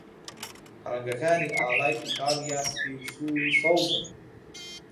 ڕەنگەکانی ئاڵای ئیتاڵیا سپی، سوور، و سەوزن.